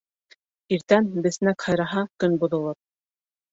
Иртән беснәк һайраһа, көн боҙолор.